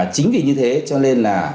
chính vì như thế cho nên là